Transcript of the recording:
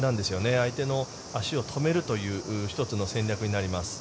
相手の足を止めるという１つの戦略になります。